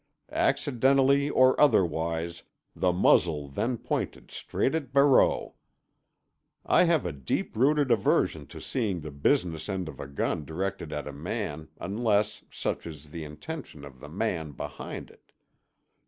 Accidentally or otherwise, the muzzle then pointed straight at Barreau. I have a deep rooted aversion to seeing the business end of a gun directed at a man unless such is the intention of the man behind it.